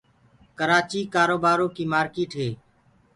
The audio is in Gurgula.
ڪرآچيٚ ڪآروبآرو ڪيٚ مآرڪيٚٽ هي